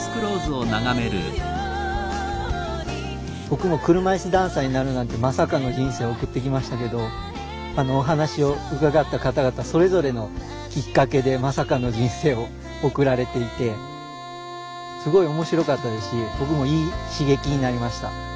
僕も車椅子ダンサーになるなんてまさかの人生を送ってきましたけどお話を伺った方々それぞれのきっかけでまさかの人生を送られていてすごい面白かったですし僕もいい刺激になりました。